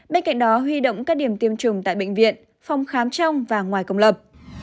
bên cạnh đó huy động các điểm tiêm chủng tại bệnh viện phòng khám trong và ngoài công lập